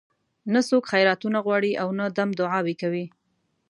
نه څوک خیراتونه غواړي او نه دم دعاوې کوي.